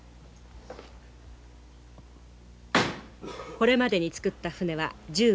これまでに作った舟は１５隻。